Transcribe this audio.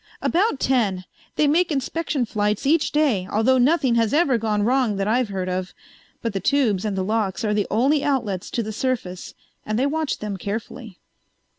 "About ten. They make inspection flights each day, although nothing has ever gone wrong that I've heard of. But the tubes and the locks are the only outlets to the surface and they watch them carefully."